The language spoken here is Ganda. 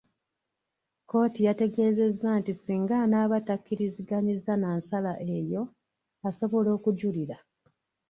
Kooti yategeezezza nti ssinga anaaba takkiriziganyizza na nsala eyo, asobola okujulira.